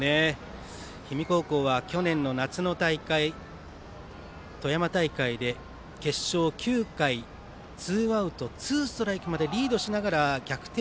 氷見高校は去年の夏の大会富山大会で決勝９回ツーアウトツーストライクまでリードしながら逆転